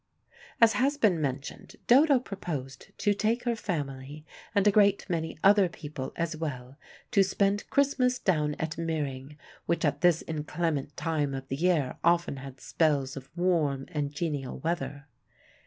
As has been mentioned, Dodo proposed to take her family and a great many other people as well to spend Christmas down at Meering, which at this inclement time of the year often had spells of warm and genial weather.